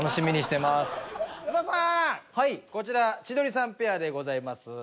こちら千鳥さんペアでございます。